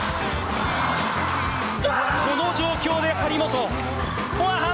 この状況で張本。